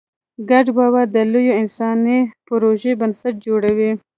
ګډ باور د لویو انساني پروژو بنسټ جوړوي.